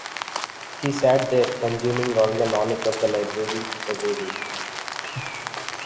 He sat there consuming all the knowledge of the library every week.